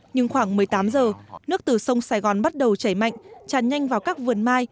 nhưng khoảng một mươi tám giờ nước từ sông sài gòn bắt đầu chảy mạnh tràn nhanh vào các vườn mai